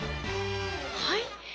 はい？